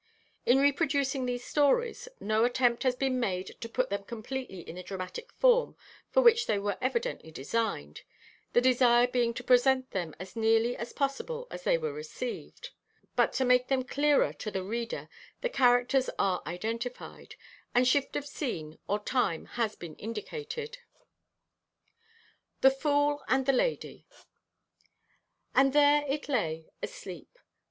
In reproducing these stories, no attempt has been made to put them completely in the dramatic form for which they were evidently designed, the desire being to present them as nearly as possible as they were received; but to make them clearer to the reader the characters are identified, and shift of scene or time has been indicated. THE FOOL AND THE LADY And there it lay, asleep.